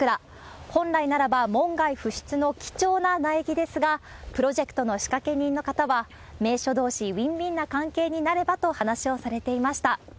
本来ならば門外不出の貴重な苗木ですが、プロジェクトの仕掛人の方は、名所どうし、ウィン・ウィンな関係になればと話をされていました。